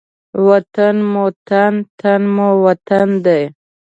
وطن مو تن، تن مو وطن دی.